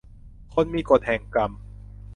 คนมีกฎแห่งกรรม